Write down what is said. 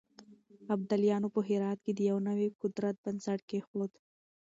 ابدالیانو په هرات کې د يو نوي قدرت بنسټ کېښود.